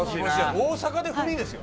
大阪でフリーですよ。